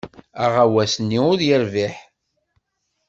Aɣawas-nni ur yerbiḥ.